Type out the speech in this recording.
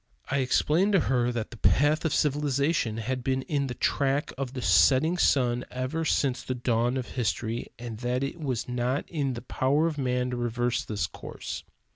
I explained to her that the path of civilization had been in the track of the setting sun ever since the dawn of history, and that it was not in the power of man to reverse this course.